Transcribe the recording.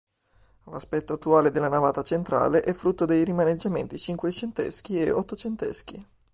L'aspetto attuale della navata centrale è frutto dei rimaneggiamenti cinquecenteschi e ottocenteschi.